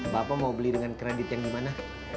bapak mau beli dengan kredit yang dimana